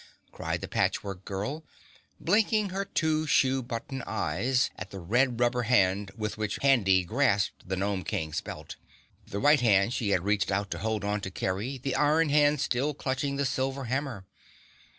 cried the Patchwork Girl, blinking her shoe button eyes at the red rubber hand with which Handy grasped the Gnome King's belt, the white hand she had reached out to hold on to Kerry, the iron hand still clutching the silver hammer.